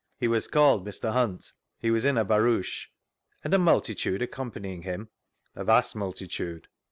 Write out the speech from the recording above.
— He was called Mr. Hunt; he was in a barouch«. And a multitude accompanying him?— A vast multitude.